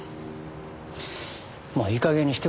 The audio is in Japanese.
もういい加減にしてくださいよ。